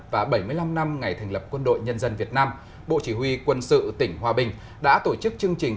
và bảy mươi năm năm ngày thành lập quân đội nhân dân việt nam bộ chỉ huy quân sự tỉnh hòa bình đã tổ chức chương trình